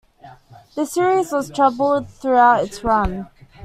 The series was troubled throughout its run.